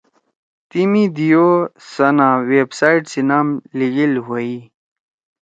تی می دی او سن آں ویب سائٹ سی نام لیگیل ہویے۔